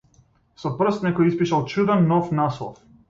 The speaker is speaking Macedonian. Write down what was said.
Со прст некој испишал чуден, нов наслов.